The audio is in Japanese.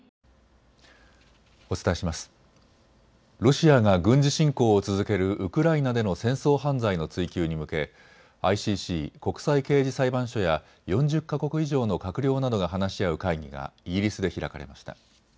ロシアが軍事侵攻を続けるウクライナでの戦争犯罪の追及に向け、ＩＣＣ・国際刑事裁判所や４０か国以上の閣僚などが話し合う会議がイギリスで開かれました。